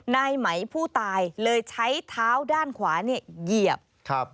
นายไหมผู้ตายเลยใช้เท้าด้านขวาเนี่ยเหยียบครับ